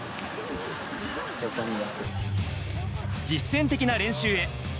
実戦的な練習へ。